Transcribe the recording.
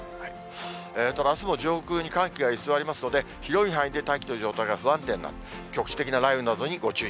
ただあすも上空に寒気が居座りますので、広い範囲で大気の状態が不安定になり、局地的な雷雨などにご注意